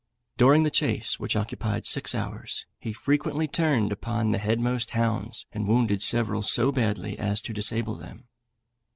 During the chase, which occupied six hours, he frequently turned upon the headmost hounds, and wounded several so badly as to disable them.